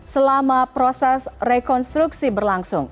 selama proses rekonstruksi berlangsung